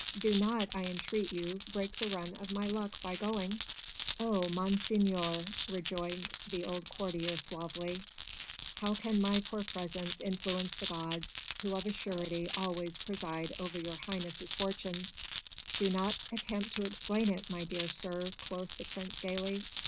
Do not, I entreat you, break the run of my luck by going." "Oh, Monseigneur," rejoined the old courtier suavely, "how can my poor presence influence the gods, who of a surety always preside over your Highness' fortunes?" "Don't attempt to explain it, my dear sir," quoth the Prince gaily.